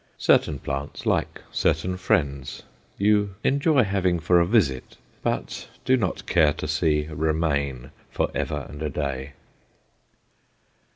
Certain plants, like certain friends, you enjoy having for a visit, but do not care to see remain forever and a day.